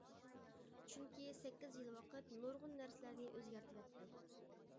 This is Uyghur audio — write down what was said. چۈنكى سەككىز يىل ۋاقىت نۇرغۇن نەرسىلەرنى ئۆزگەرتىۋەتتى.